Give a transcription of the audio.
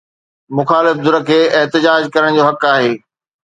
مخالف ڌر کي احتجاج ڪرڻ جو حق آهي.